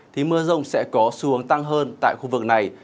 thì mưa rông sẽ có xu hướng tăng hơn tại khu vực này